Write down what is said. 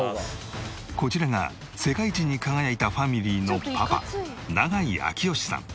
こちらが世界一に輝いたファミリーのパパ永井明慶さん